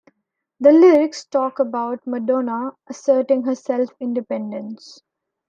The lyrics talk about Madonna asserting her self-independence.